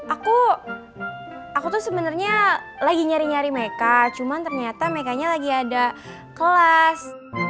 aku aku tuh sebenarnya lagi nyari nyari mereka cuman ternyata mereka lagi ada kelas